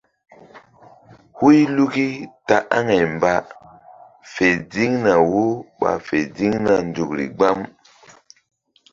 Huy luki ta aŋay mba fe ziŋna wo ɓa fe ziŋna nzukri gbam.